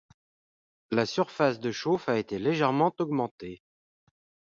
La surface de chauffe a été légèrement augmentée.